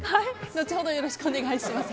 後ほどよろしくお願いします。